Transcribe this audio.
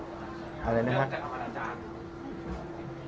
อ๋อขออนุญาตเป็นในเรื่องของการสอบสวนปากคำแพทย์ผู้ที่เกี่ยวข้องให้ชัดแจ้งอีกครั้งหนึ่งนะครับ